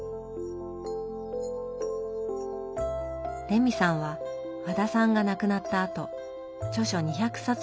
レミさんは和田さんが亡くなったあと著書２００冊ほどを集め